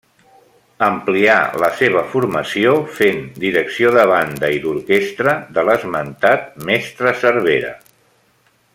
Amplià la seva formació fent direcció de banda i d'orquestra de l'esmentat mestre Cervera.